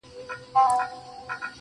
اور او اوبه یې د تیارې او د رڼا لوري.